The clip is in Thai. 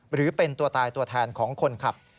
หรือเป็นตัวตายตัวแทนของคนขับ